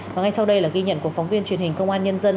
và ngay sau đây là ghi nhận của phóng viên truyền hình công an nhân dân